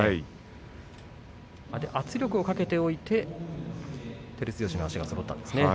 圧力をかけておいて照強の足がそろいました。